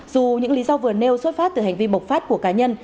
dù những lý do vừa nêu xuất phát từ hành vi bộc phát của cá nhân